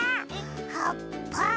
はっぱ！